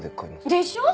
でしょ？